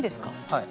はい。